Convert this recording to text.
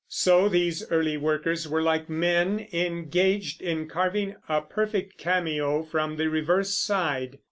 So these early workers were like men engaged in carving a perfect cameo from the reverse side.